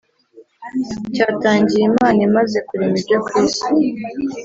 Cyatangiye Imana imaze kurema ibyo ku isi